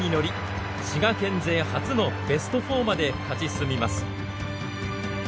滋賀県勢初のベスト４まで勝ち進みます。